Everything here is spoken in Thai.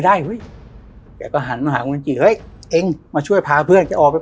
โดนยิงมองมองหญิงไม่อยู่แล้ว